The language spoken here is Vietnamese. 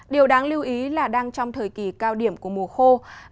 điều đáng lưu ý là đang trong thời kỳ cao điểm của mùa khô